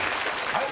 はい？